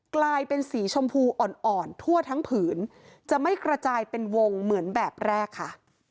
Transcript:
กลายเป็นสีชมพูอ่อนทั่วทั้งผืนจะไม่กระจายเป็นวงเหมือนแบบแรกค่ะ